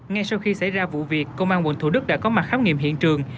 ngay sau khi xảy ra vụ việc công an quận thủ đức đã có mặt khám nghiệm hiện trường